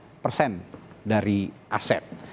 ini maksudnya dua belas dari aset